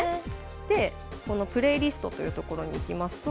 でこのプレイリストというところに行きますと。